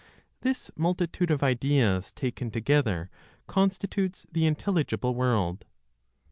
This multitude of ideas taken together constitutes the intelligible world.